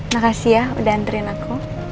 makasih ya udah antriin aku